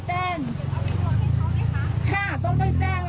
เดี๋ยวต้องเก็บไปคืนนะคะเนี่ย